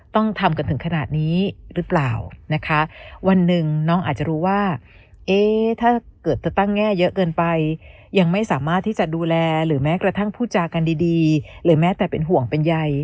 ต้องทำกันถึงขนาดนี้รึเปล่านะคะ